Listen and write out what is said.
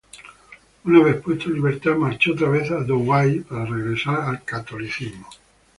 Una vez puesto en libertad marchó otra vez a Douai para regresar al catolicismo.